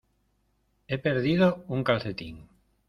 He perdido un calcetín.